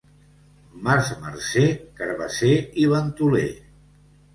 Març, marcer, carabasser i ventoler.